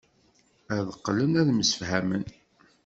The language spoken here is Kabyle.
Ad qqlen ad msefhamen.